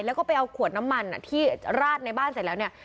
แล้วก็ไปเอาขวดน้ำมันที่ราดในบ้านเสร็จแล้วเนี่ย